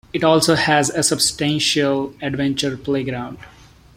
It also has a substantial adventure playground.